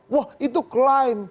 wah itu klaim